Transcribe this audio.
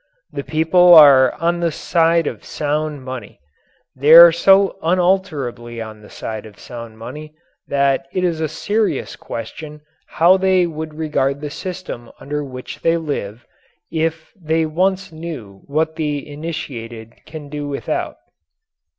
The people are on the side of sound money. They are so unalterably on the side of sound money that it is a serious question how they would regard the system under which they live, if they once knew what the initiated can do with it.